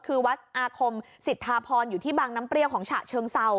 คือวัดอาคมสิทธาพรอยู่ที่บางน้ำเปรี้ยวของฉะเชิงเศร้า